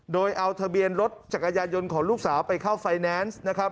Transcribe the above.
โดยเอาทะเบียนรถจักรยานยนต์ของลูกสาวไปเข้าไฟแนนซ์นะครับ